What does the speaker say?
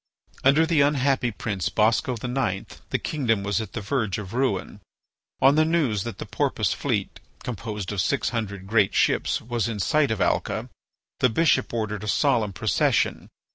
Under the unhappy prince Bosco IX. the kingdom was at the verge of ruin. On the news that the Porpoise fleet, composed of six hundred great ships, was in sight of Alca, the bishop ordered a solemn procession.